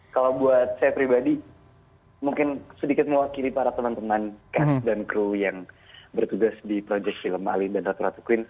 kalau buat saya pribadi mungkin sedikit mewakili para teman teman catch dan crew yang bertugas di project film ali dan ratu ratu queens